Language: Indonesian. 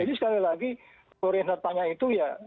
jadi sekali lagi korener tanya itu ya